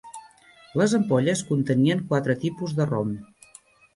Les ampolles contenien quatre tipus de rom.